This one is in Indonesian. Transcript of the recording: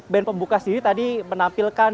band pembuka sendiri tadi menampilkan